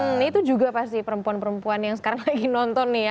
nah itu juga pasti perempuan perempuan yang sekarang lagi nonton nih ya